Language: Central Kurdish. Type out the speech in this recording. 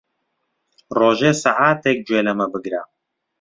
ڕۆژێ سەعاتێک گوێ لەمە بگرە.